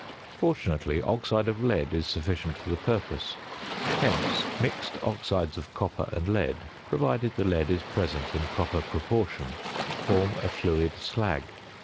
Fortunately, oxide of lead is sufficient for the purpose; hence, mixed oxides of copper and lead, provided the lead is present in proper proportion, form a fluid slag.